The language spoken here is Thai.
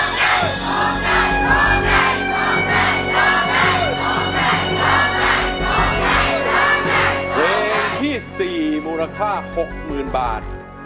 สำหรับเพลงที่๔มูลค่า๖๐๐๐๐บาท